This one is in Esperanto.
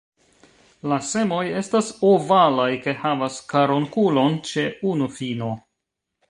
La semoj estas ovalaj kaj havas karunkulon ĉe unu fino.